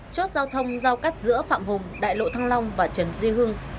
chốt giao thông giao cắt giữa phạm hùng đại lộ thăng long và trần duy hưng